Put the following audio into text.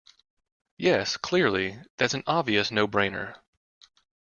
Yes, clearly, that's an obvious no-brainer